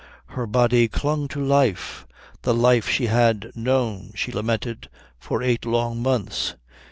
Her body clung to life the life she had known, she lamented, for eight long months.